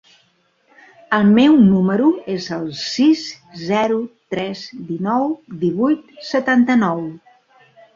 El meu número es el sis, zero, tres, dinou, divuit, setanta-nou.